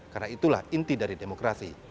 karena itulah inti dari demokrasi